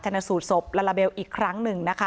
ฉันดร์สูตรศพลาลาเบลอีกครั้งหนึ่ง